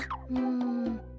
うん。